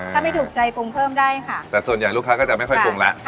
ถ้าไม่ถูกใจปรุงเพิ่มได้ค่ะแต่ส่วนใหญ่ลูกค้าก็จะไม่ค่อยปรุงแล้ว